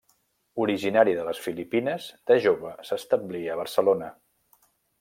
Originari de les Filipines, de jove s'establí a Barcelona.